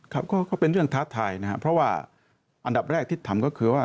ครับก็เป็นเรื่องท้าทายนะครับเพราะว่าอันดับแรกที่ทำก็คือว่า